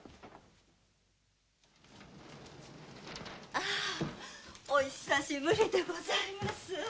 あお久しぶりでございます。